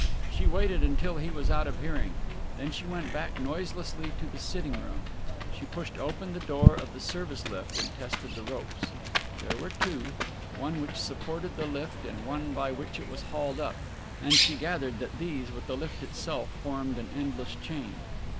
She waited until he was out of hearing, then she went back noiselessly to the sitting room. She pushed open the door of the service lift and tested the ropes. There were two, one which supported the lift and one by which it was hauled up, and she gathered that these with the lift itself formed an endless chain.